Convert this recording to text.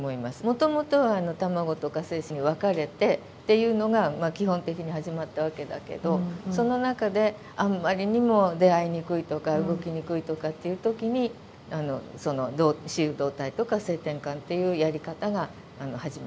もともとは卵とか精子に分かれてっていうのが基本的に始まったわけだけどその中であんまりにも出会いにくいとか動きにくいとかっていう時にその雌雄同体とか性転換っていうやり方が始まった。